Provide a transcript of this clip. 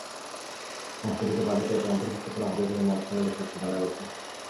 সংশোধিত বাজেটে এটি অন্তর্ভুক্ত করা হবে বলে মন্ত্রণালয় সূত্রে জানা গেছে।